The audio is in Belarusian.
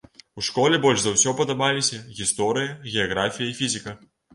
У школе больш за ўсё падабаліся гісторыя, геаграфія і фізіка.